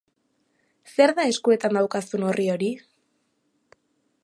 Zer da eskuetan daukazun orri hori?